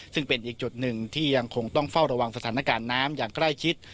ซึ่งเป็นอีกจุดหนึ่งที่ยังคงต้องเฝ้าระวังสถานการณ์น้ำอย่างใกล้ชิด